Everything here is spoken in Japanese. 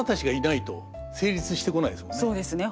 そうですね